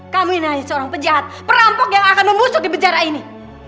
kamu ini hanya seorang pejahat perampok yang akan membusuk di penjara ini